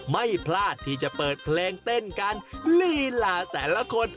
ไม่พลาดที่จะเปิดเพลงเต้นกันลีลาแต่ละคน